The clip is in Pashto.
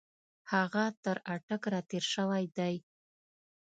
هغه تر اټک را تېر شوی دی.